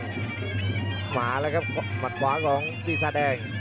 ขวาล่ะครับมัดขวาของพี่สัตว์แดง